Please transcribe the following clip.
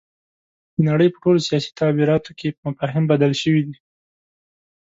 د نړۍ په ټولو سیاسي تعبیراتو کې مفاهیم بدل شوي دي.